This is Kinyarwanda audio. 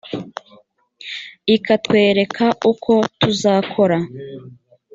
ikatwereka uko tuzakora